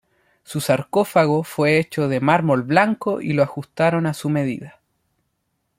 Su sarcófago fue hecho de mármol blanco y lo ajustaron a su medida.